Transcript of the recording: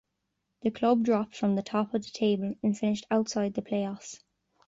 The club dropped from the top of the table and finished outside the play-offs.